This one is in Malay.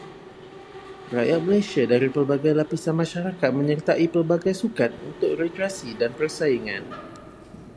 Rakyat Malaysia dari pelbagai lapisan masyarakat menyertai pelbagai sukan untuk rekreasi dan persaingan.